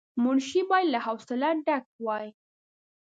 منشي باید له حوصله ډک وای.